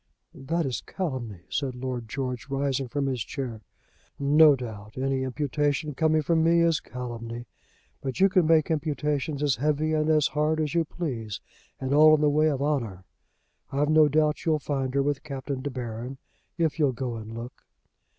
"That is calumny," said Lord George, rising from his chair. "No doubt. Any imputation coming from me is calumny. But you can make imputations as heavy and as hard as you please and all in the way of honour. I've no doubt you'll find her with Captain De Baron if you'll go and look."